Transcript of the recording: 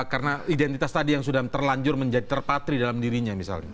karena identitas tadi yang sudah terlanjur menjadi terpatri dalam dirinya misalnya